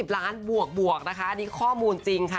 ล้านบวกนะคะอันนี้ข้อมูลจริงค่ะ